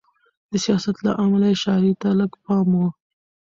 د سیاست له امله یې شاعرۍ ته لږ پام و.